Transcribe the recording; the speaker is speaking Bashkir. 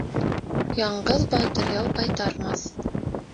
Яңғыҙ батыр яу ҡайтармаҫ.